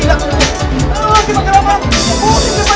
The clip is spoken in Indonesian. tak rasa rasanya orang ini gua kenang iya